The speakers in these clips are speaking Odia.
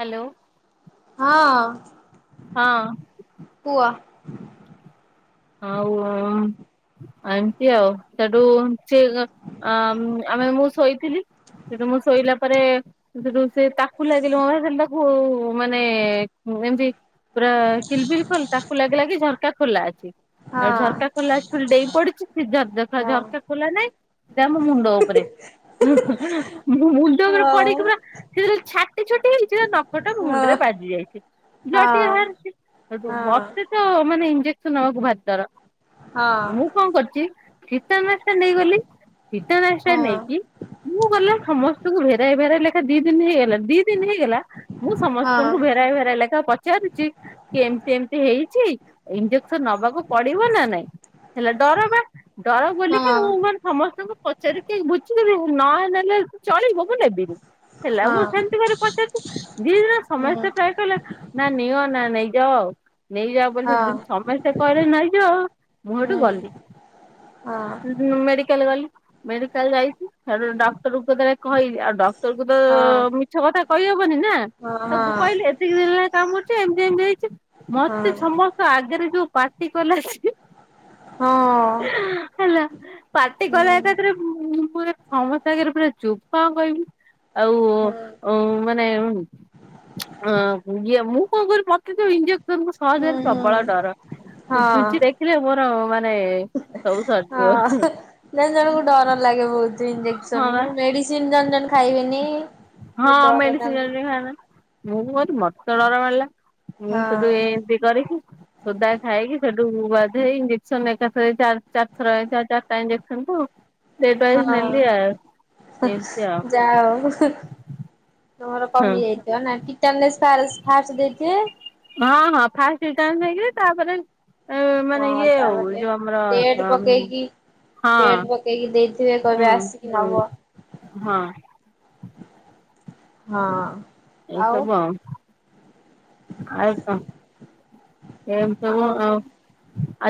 ହ୍ୟାଲୋ। ହଁ। ହଁ। କୁଅ। ଆଉ ଏମିତି ଆଉ ସେଠୁ ସେ ଅ, ଆମେ ମୁଁ ଶୋଇଥିଲି। ସେଠୁ ମୁଁ ଶୋଇଲା ପରେ ସେଠୁ ସେ ତାକୁ ଲାଗିଲି ମୋ ସେ ତାକୁ ମାନେ ଏମତି ପୁରା କିଲିବିଲ୍ ଖୋଲ ତାକୁ ଲାଗିଲା କି ଝରକା ଖୋଲା ଅଛି। ଆଉ ହଁ ଝର୍କା ଖୋଲାଅଛି ବୋଲି ଡେଇଁ ପଡ଼ିଛି ସେ ଝର ହଁ। ଝର୍କା କଲା ନାଇଁ। ସେଟା ଆମ ମୁଣ୍ଡ ଉପରେ ହୁଁ, ହୁଁ, ମୁଣ୍ଡ ଉପରେ ହଁ ପଡ଼ିକି ପୁରା ସେଯେ ଛାଟି ଛୁଟି ହେଇଚି ନଖଟ ହଁ ମୁଣ୍ଡରେ ବାଜି ଯାଇଚି ବ୍ଲଡ଼ଟି ହଁ ବାହାରିଚି ହେଟୁ ହଁ ମତେ ତ ମାନେ ଇଞ୍ଜେକ୍ସନ ନବାକୁ ଭାରି ଡର ହଁ। ହଁ ମୁଁ କଣ କରୁଚି ଟିଟାନାଷ୍ଟ ନେଇଗଲି ଟିଟାନାଷ୍ଟ ହଁ ନେଇକି ମୁଁ ଗଲା ସମସ୍ତଙ୍କୁ ଭେରାଇ ଭେରାଇ ଲେଖା ଦି ଦିନ ହେଇଗଲା ଦି ଦିନ ହେଇଗଲା। ମୁଁ ସମସ୍ତଙ୍କୁ ହଁ ଭେରାଇ ଭେରାଇ ଲାଗି ପଚାରୁଚି କି ଏମିତି ଏମିତି ହେଇଚି ଇଞ୍ଜେକ୍ସନ ନବାକୁ ପଡ଼ିବ ନା ନାଇଁ। ହେଲା ଡର ବା ଡର ବୋଲିକି ହଁ ମୁଁ ମାନେ ସମସ୍ତଙ୍କୁ ପଚାରିକି ବୁଝିଦେଲି ନ ନେଲେ ଚଳିବ ମୁଁ ନେବିନି। ହେଲା ମୁଁ ସେମିତି ଫେରେ ପଚାରୁଚି ଦି ଦିନ ହୁଁ ସମସ୍ତେ ପ୍ରାୟ କହିଲେ ନା ନିଅ ନା ନେଇଯାଅ ଆଉ। ନେଇଯାଅ ବୋଲି ହଁ ସେଠୁ ସମସ୍ତେ କହିଲେ ନେଇଁ ଯାଅ ମୁଁ ହୁଁ। ହଁ ହେଟୁ ହଁ ଗଲି। ହଁ ମେଡିକାଲ୍ ଗଲି ମେଡିକାଲ୍ ଯାଇଚି ହେଟୁ ଡକ୍ଟରଙ୍କୁ ଯେତେଳେ କହିଲି ଆଉ ଡକ୍ଟର ତୋରକୁ ତ ହଁ ମିଛ କଥା କହିହବନି ନା। ହଁ ହଁ ତାକୁ କହିଲି ଏତିକି ଦିନ ହେଲାଣି କାମୁଡ଼ିଚି ଏମିତି ଏମିତି ହେଇଚି ମତେ ହୁଁ। ହୁଁ ସମସ୍ତ ଆଗରେ ଯୋଉ ପାଟି କଲା ସେ ହଁ। ହେଲା ପାର୍ଟି କଲା ଏକାଥରେ ମୁଁ ସମସ୍ତ ଆଗରେ ପୁରା ଚୁପ୍ କଣ କହିବି। ଆଉ ଉମ ମାନେ ହ ଇଏ ମୁଁ କଣ କରିବି ମତେ ତ ଇଞ୍ଜେସନ ସହଯରେ ହୁଁ ହୁଁ ପ୍ରବଳ ଡର ହଁ ମୁଁ ଛୁଞ୍ଚି ହଁ। ଦେଖିଲେ ମୋର ମାନେ ସବୁ ହଁ ସରିଯିବ ହା ନା ଜଣଙ୍କୁ ଡର ଲାଗେ ବହୁତ। ହଁ ଇଞ୍ଜେକ୍ସନ ବା ମୁଁ ମେଡ଼ିସିନ୍ ଜନ୍ ଜନ୍ ଖାଇବେନି। ବହୁତ ହଁ ଡର ମେଡ଼ିସିନ୍ ତାଙ୍କୁ ଜଣେ ଜଣେ ଖାଇବେନି ମୁଁ କହିନି ମତେ ତ ଡର ଲାଗିଲା। ମୁଁ ହଁ ସେଠୁ ଏମିତି କରିକି ସୋଦା ଖାଇକି ସେଠୁ ବାଧ୍ୟ ହେଇ ଇଞ୍ଜେକ୍ସନ ଏକାଥରେ ଚାରି ଚାରିଥର ଚାରିଟା ଇଞ୍ଜେକ୍ସନ କୁ [inaudible] ଡେଟ୍ ହଁ ୱାଇଜ୍ ନେଲି ଆଉ ହୁ ଏମିତି ଆଉ ଯାହୋଉ। ହୁ ତମର ହଁ କମି ଯାଇଥିବ ନାକି। କ୍ୟାନେସ୍ ଫାରସ୍ ଫାଷ୍ଟ ଦେଇଦିଏ। ହଁ ହଁ ଫାଷ୍ଟ ଟିଟାନେସ୍ ନେଇକି ତାପରେ ଉ ମାନେ ହଁ ଇଏ ହଉ ତାପରେ ଯୋଉ ଆମର ଡେଟ୍ ଅମ୍ ପକେଇକି ଡେଟ୍ ପକେଇକି ଦେଇଥିବେ ହଁ କହିବେ ହୁଁ ଆସିକି ହୁଁ ନବ। ହଁ। ହଁ। ଏସବୁ ଆଉ। ଆଉ କଣ। ଏମତି ସବୁ ଆଉ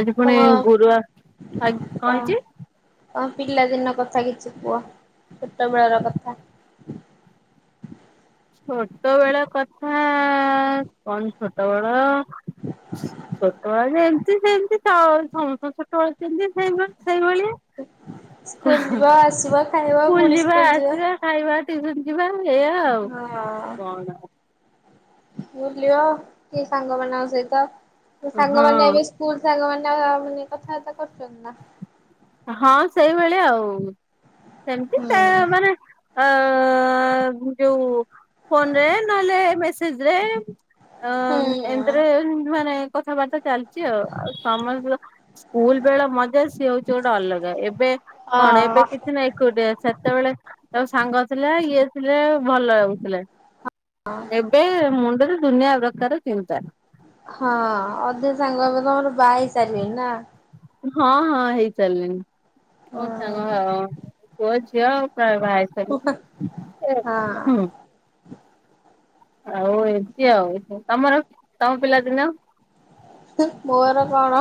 ଆଜି ତମ ପୁଣି ଗୁରୁବାର ଆଯି କଣ ହେଇଚି। ତମ ପିଲାଦିନ କଥା କିଛି କୁହ ଛୋଟବେଳର କଥା। ଛୋଟ ବେଳ କଥା କଣ ଛୋଟ ବେଳ ଛୋଟବେଳେ ଯେମିତି ସେମିତି ସମସ୍ତଙ୍କ ଛୋଟବେଳେ ଯେମିତି ସେଇଭଳି ସେଇଭଳିଆ ସ୍କୁଲ ହୁ ଯିବ ଆସିବ ଖାଇବ ସ୍କୁଲ ପୁଣି ଯିବା ସ୍କୁଲ ଯିବ। ଆସିବା ଖାଇବା ଟିଉସନ ଯିବା ଏଇଆ ଆଉ କଣ ବୁଲିବା କି ସାଙ୍ଗ ମାନଙ୍କ ସହିତ ସାଙ୍ଗମାନେ ଏବେ ହଁ ସ୍କୁଲ ସାଙ୍ଗମାନେ କଥାବାର୍ତ୍ତା କରୁଛନ୍ତି ନା? ହଁ ସେଇଭଳି ଆଉ ସେମିତି ସେ ହୁଁ ମାନେ ଅଁ ଯୋଉ ଫୋନରେ ନହେଲେ ମେସେଜ ରେ ଆଁ ହୁଁ ଏନ୍ତରେ ମାନେ କଥାବାର୍ତ୍ତା ଚାଲିଛି ଆଉ ଆଉ ସମସ୍ତ ସ୍କୁଲ ବେଳେ ମଜା ସିଏ ହଉ ଯୋଉଟା ଅଲଗା ଏବେ କଣ ଏବେ ହଁ। କିଛି ନା ଏକୁଟିଆ ସେତେବେଳେ ତାଉ ସାଙ୍ଗ ଥିଲା ଇଏ ଥିଲେ ଭଲ ଲାଗୁଥିଲେ ଏବେ ମୁଣ୍ଡରେ ଦୁନିଆ ପ୍ରକାର ଚିନ୍ତା। ହଁ ଅଧେ ସାଙ୍ଗ ଏବେ ତମର ବାହାହେଇ ସାରିବେନି ନା ହଁ ହଁ ହେଇସାରିଲେଣି ସାଙ୍ଗ ପୁଅ ଝିଅ ଆଉ [unintelligible] ହ ଭଏ ସ ହୁଁ ହଁ [unintelligible] ଆଉ ଏମତି ଆଉ। ତମର ତମ ପିଲାଦିନ? ମୋର କଣ?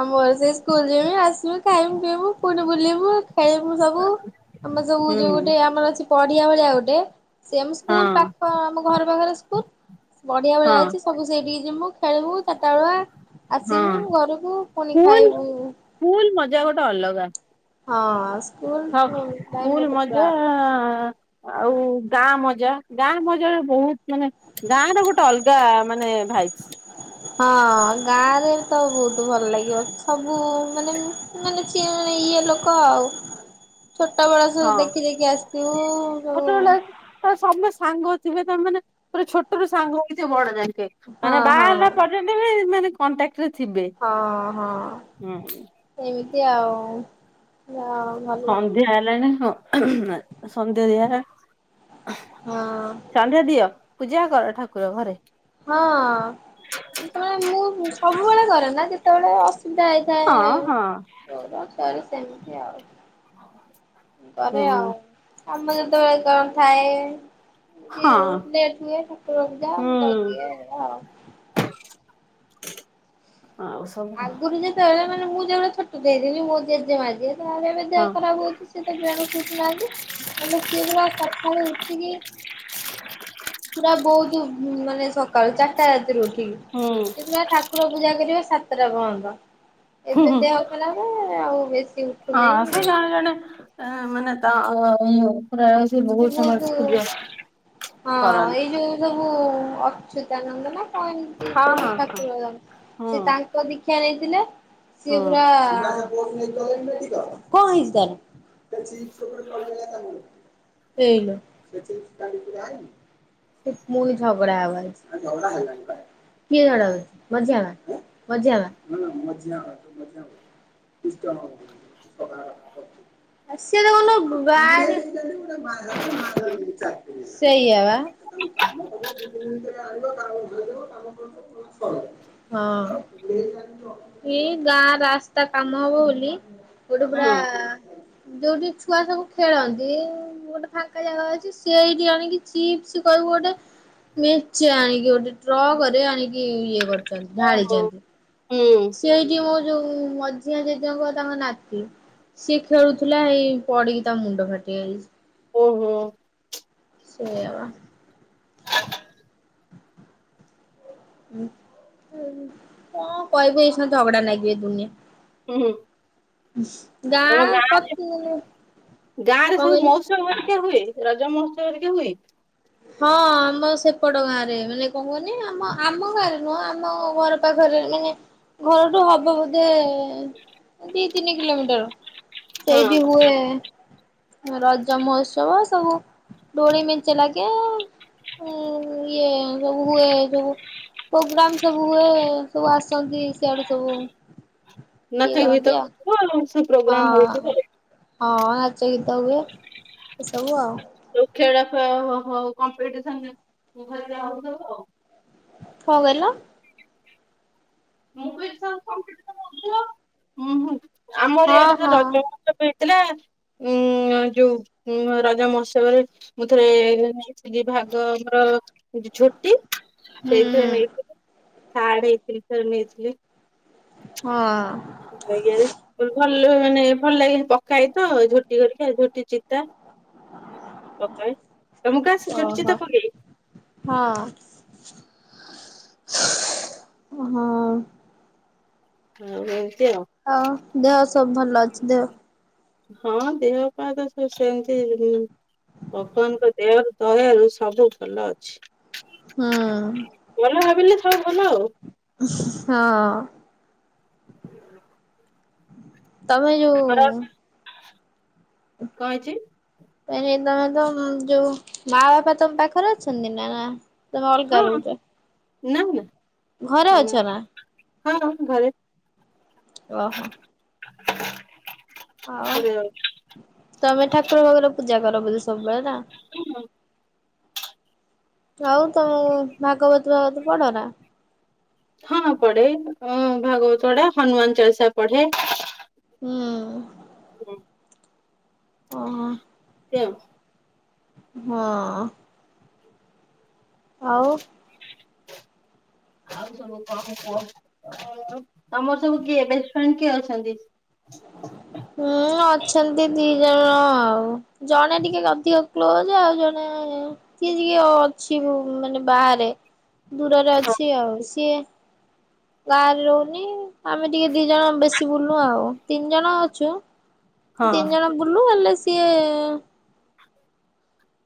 ଆମର ସେ ସ୍କୁଲ ଯିବି ଆସିବି ଖାଇମି ପିଇବୁ ପୁଣି ବୁଲିବୁ ଖେଳିବୁ ସବୁ। ଆମର ସବୁ ହୁଁ ଯୋଉ ଗୋଟେ ଆମର ଅଛି ପଡିଆ ଭଳିଆ ଗୋଟେ। ସିଏ ଆମ ହଁ ସ୍କୁଲ ପାଖ ଆମ ଘର ପାଖରେ ସ୍କୁଲ। ପଡ଼ିଆ ଭଳିଆ ହଁ ଅଛି ସବୁ ସେଇଠିକି ଜୀମୁଁ। ଖେଳିବୁ ଚାରିଟାବେଳୁଆ ହଁ ଆସିମୁଁ ଘରକୁ ପୁଣି ସ୍କୁଲ ଖାଇବୁ। ସ୍କୁଲ ମଜା ହଁ। ସ୍କୁଲ ସବ ଟାଇମ୍ ଫୁଲ୍ ଗୋଟେ ମଜା। ପୁରା ଆଉ ଗାଁ ମଜା ଗାଁ ମଜାରେ ବହୁତ ମାନେ ଗାଁ ର ଗୋଟେ ଅଲଗା ମାନେ [unintelligible] ଭାଇ। ହଁ। ଗାଁ ରେ ତ ବହୁତ ଭଲ ଲାଗିବ ସବୁ ମାନେ ମାନେ [unintelligible] ଇଏ ଲୋକ ଆଉ। ଛୋଟ ବେଳ ସବୁ ହଁ। ଦେଖି ଦେଖି ଆସିଥିବୁ ସବୁ। ସମେ ସାଙ୍ଗ ଥିବେ ତମେମାନେ ପୁରା ଛୋଟରୁ ସାଙ୍ଗ ହେଇଥିବେ ବଡ ଯାଏ। ହଁ ମାନେ ହଁ ବାହାହେଲା ପରେ ତେମେମାନେ କଣ୍ଟାକ୍ଟ। ହଁ ହଁ ଏମିତି ଆଉ। ଭଲ ସନ୍ଧ୍ୟା ହେଲାଣି ସନ୍ଧ୍ୟା ଦିଆ ହେଲା ହଁ। ସନ୍ଧ୍ୟା ଦିଅ ପୂଜା କର ଠାକୁର ଘରେ। ହଁ। ସେତେବେଳେ ମୁଁ ସବୁବେଳେ କରେ ନା ଯେତେବେଳେ ଅସୁବିଧା ହେଇଥାଏ। ହଁ ହଁ [unintelligible] ସରି ସେମିତି ଆଉ। କରେ ହୁଁ ଆଉ ଆମ ଯେତେବେଳେ କଣ ଥାଏ। ହଁ [unintelligible] ଲେଟ୍ ହୁଏ ଠାକୁର ପୂଜା ମୁଁ ହୁଁ କରିଦିଏ [unintelligible] ଆଉ। ଆଉ ସବୁ ଆଗୁରୁ ଯେତେବେଳେ ମାନେ ମୁଁ ଯେବେଳେ ଛୋଟ ଟା ହେଇଥିଲି। ମୋ ଜେଜେମା ଯିଏ। ତାର ଏବେ ହଁ ଦେହ ଖରାପ ହଉଛି ସେ ତ ବେଡରୁ ଉଟୁନାହାନ୍ତି। ନହେଲେ ସେ ପୁରା ସକାଳୁ ଉଠିକି [inaudible] ପୁରା ବହୁତ ମାନେ ସକାଳୁ ଚାରିଟା ରାତିରୁ ଠିକ୍ ହୁଁ ସେ ପୁରା ଠାକୁର ପୂଜା କରିବେ ସାତଟା ପର୍ଯ୍ୟନ୍ତ। ହୁଁ ଏବେ ହୁଁ ଦେହ ଖରାପେ ଆଉ ବେଶୀ ହଁ। ଉଠୁନି। ସେ ଜଣେ ଜଣେ ମାନେ [unintelligible] ତା ଇ। ଏ ବହୁତ ହଁ କରନ୍ତି। ଏଇ ଯୋଉ ସବୁ ଅଚ୍ୟୁତାନନ୍ଦ ନା କଣ ଏମିତି ହଁ ଯୋଉଟି ଠାକୁର ହଁ ସେ ତାଙ୍କ ଦୀକ୍ଷା ନେଇଥିଲେ। ସିଏ ହଁ ହୁଁ ପୁରା [unintelligible] ହେଇଲୋ ସେ ପୁଣି ଝଗଡ଼ା ଆବାଜ। ଆ ଜଉଡା ହୋଉ। କିଏ ଝଗଡ଼ା କରୁଚି ମଝିଆ ମା ମଝିଆ ମା? ଆ ସେ ଦେଖୁନ ବା [unintelligible] ସେଇଆବା। କାମ କଲେ ଦି ତିନରେ ଆଣିବ କାମ ଘରେବ କାମ କର। ହଁ। ଏଇ ଗାଁ ରାସ୍ତା କାମ ହବ ବୋଲି କୋଉଠି ପୁରା ହୁଁ ହୁଁ ଯୋଉଠି ଛୁଆ ସବୁ ଖେଳନ୍ତି। ଗୋଟେ ଫାଙ୍କା ଜାଗା ଅଛି। ସେଇଠି ଆଣିକି ଚିପ୍ସ କହିବୁ ଗୋଟେ ମେଞ୍ଚେ ଆଣିକି ଗୋଟେ ଟ୍ରକରେ ଆଣିକି ଇଏ କରି ଚନ୍ତି ଓହୋ ଢାଳିଛନ୍ତି ହୁଁ ସେଇଠି ମୁଁ ଯୋଉ ମଝିଆଁ ଜେଜେଙ୍କ ତାଙ୍କ ନାତି ସିଏ ଖେଳୁଥିଲା ଏଇ ପଡିକି ତା ମୁଣ୍ଡ ଫାଟିଗଲା। ଓହୋ। ସେଇଆବା କଣ କହିବୁ ଏସ ଝଗଡା ଲାଗିବେ ଦୁନିଆ। ହୁଁ। ହ ତମ ଗାଁରେ ଗାଁ ରେ ସବୁ କହିଲୁ ମଉସମ ଅଧିକା ହୁଏ? ରଜ ମହୋତ୍ସବ ଟିକେ ହୁଏ। ହଁ ଆମ ସେପଟ ଗାଁରେ ମାନେ କଣ କୁହନି ଆମ ଆମ ଗାଁରେ ନୁହଁ ଆମ୍ ଆମ ଘର ପାଖରେ ମାନେ ଘରଠୁ ହବ ବୋଧେ ଦି ତିନି କିଲୋମିଟର ହଁ ସେଇଠି ହୁଏ। ରଜ ମହୋତ୍ସବ ସବୁ ଦୋଳି ମେଞ୍ଚେ ଲାଗେ। ହୁଁ ଇଏ ସବୁ ହୁଏ ସବୁ। ପ୍ରୋଗ୍ରାମ ସବୁ ହୁଏ। ସବୁ ଆସନ୍ତି ସିଆଡୁ ସବୁ ଇଏ ନଥାଏ ହୁଏ କରନ୍ତି ତ ଆଉ। [unintelligible] ସବୁ ପ୍ରୋଗ୍ରାମ ହଁ ହଉଛି ହଁ ନାଚ ଗୀତ ହୁଏ ଏସବୁ ଆଉ। ଖେଳେ ହ କମ୍ପିସନ ଘ ହଉବ ଆଉ କଣ କହିଲ? ଆମର ହଁ ଇଆଡେ ତ ହଁ ରଜ ମହୋତ୍ସବ ହେଇଥିଲା। ଥିଲା ଉ ଯୋଉ ରଜ ମହୋତ୍ସବରେ ମୁଁ ଥରେ ନେଇଥିଲି ପାଗ ଆମର ଛୁଟି ହୁଁ ସେଇଥିରେ ହୁଁ ନେଇଥିଲି ଥାର୍ଡ ହେଇଥିଲି ଥରେ ନେଇଥିଲି। ହଁ। ଭଲ ମାନେ ଭଲ ଲାଗେ ପକା ହେ ତ ଝୋଟି କରିକି ଝୋଟି ଚିତା ପକାଏ। ତମକୁ ସେ ଝୁଟି ଓହୋ। ଚିତା ପକେଇ ହଁ ହଁ। ଆଉ ହୋଉ ହଉ ଦେହ ସବୁ ଭଲ ଅଛି ଦେହ ହଁ ଦେହ ପା ତ ସେ ସେମତି ଭଗବାନଙ୍କ ଦେହ ଦୟାରୁ ସବୁ ଭଲ ଅଛି। ହୁଁ। ହ ଭଲ ଆଉ। ହଁ। ତମେ ଖରା ଯୋଉ କଣ ହେଇଚି? ତ ତମେ ତ ଯୋଉ ମା ବାପା ତମ ପାଖରେ ଅଛନ୍ତି ନା ନା? ତମେ ଅଲଗା ହଁ ରହୁଛ? ନା ନା ଘରେ ଅଛ ନା ହଁଁ ଘରେ ଓହୋ। [inaudible] ହଉ ଘରେ ତମେ ଠାକୁର ଫାକୁର ପୂଜା କର ବୋଧେ ସବୁବେଳେ ନା ହୁଁ। ଆଉ ତମ ଭାଗବତ ଫାଗବତ ପଢ ନା? ହଁ ପଢେ ଭାଗବତ ପଢେ ହନୁମାନ ଚାଳିଶା ପଢେ। ହୁଁ [inaudible] ଓହୋ। ସେଓ [unintelligible] ହଁ। ଆଉ। ଆଉ ସବୁ କଣ କୁହ ତମର ସବୁ କିଏ ବେଷ୍ଟ ଫ୍ରେଣ୍ଡ କିଏ ଅଛନ୍ତି? ହଁ [inaudible] ହୁଁ ଅଛନ୍ତି ଦି ଜଣ ଆଉ ଜଣେ ଟିକେ ଅଧିକ କ୍ଲୋଜ୍ ଆଉ ଜଣେ କିଏ ଟିକେ ଅଛି ମାନେ ବାହାରେ ଦୂରରେ ଅଛି ଆଉ ସିଏ ଗାଁରେ ରହୁନି ଆମେ ଟିକେ ଦି ଜଣ ବେଶୀ ବୁଲୁ ଆଉ ତିନି ଜଣ ଅଛୁ ହଁ ତିନି ଜଣ ବୁଲୁ ହେଲେ ସିଏ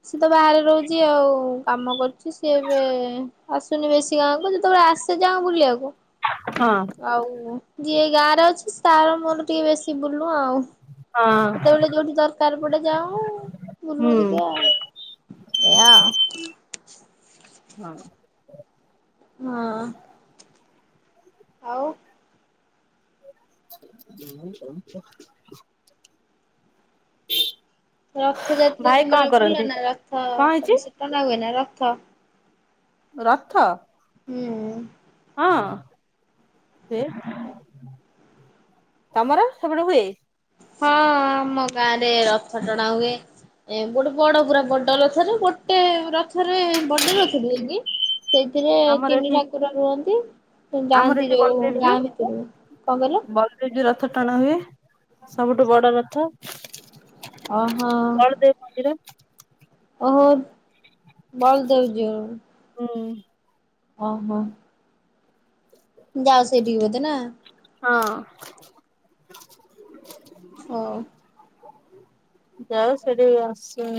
ସିଏ ତ ବାହାରେ ରହୁଛି ଆଉ କାମ କରୁଛି ସିଏ ଏବେ ଆସୁନି ବେଶୀ ଗାଁ କୁ ଯେତେବେଳେ ଆସେ ଯାଁଉ ବୁଲିବାକୁ ହଁ ଆଉ ଯିଏ ଗାାରେ ଅଛି ତାର ମୋର ଟିକେ ବେଶୀ ବୁଲୁ ଆଉ ହଁ। ସେତେବେଳେ ଯୋଉଠି ଦରକାର ପଟେ ଯାଉ ହୁଁ ବୁଲୁ ଟିକେ ଆଉ ଏୟା। ହଁ। ହଁ। ଆଉ। [inaudible] ରଥ ଯାତା ଭାଇ କଣ ତମର ବୁଲ କରନ୍ତି? ନା ରଥ କଣ ହେଇଛି? ତମେ ସେ ଟଣା ହୁଏ ନା ରଥ ରଥ? ହୁଁ। ହଁ ସେ ତମର [unintelligible] ସେପଟେ ହୁଏ? ହଁ ଆମ ଗାଁ ରେ ରଥ ଟଣା ହୁଏ। ଏ ଗୋଟେ ବଡ ପୁରା ବଡ ରଥରେ ଗୋଟେ ରଥ ରେ ବଡ ରଥ [unintelligible] ରଇକି ସେଇଥିରେ ଆମର ତିନି ଏଠି ଠାକୁର ରୁହନ୍ତି। ଆମର ଯାଆନ୍ତି ଏଠି ଯୋଉ ବଲଦେବ ଗାଁ ଯିଉ ଭିତରକୁ କଣ କହିଲ ବଲଦେବ ଯିଉ ରଥ ଟାଣା ହୁଏ। ସବୁଠୁ ବଡ ରଥ ଓହୋ ବଳଦେବ ମନ୍ଦିର। ଓହୋ ବଲଦେବ ଯିଉ। ହୁଁ। ହଁ ହଁ। ଯାାଉ ସେଠିକି ବୋଧେ ନା। ହଁ। ହଉ। ଯାଅ ସେଠି ଆସେ